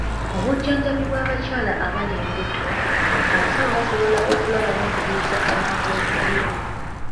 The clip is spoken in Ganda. Mu bujjanjabi bw'abakyala abali embuto, abasawo basobola okulaba n'okuziyiza amangu obuzibu.